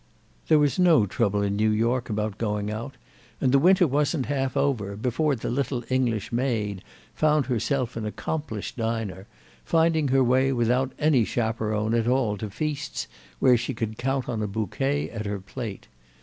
There was no trouble in New York about going out, and the winter wasn't half over before the little English maid found herself an accomplished diner, finding her way without any chaperon at all to feasts where she could count on a bouquet at her plate.